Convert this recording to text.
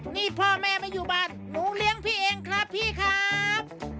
นี่พ่อแม่ไม่อยู่บ้านหนูเลี้ยงพี่เองครับพี่ครับ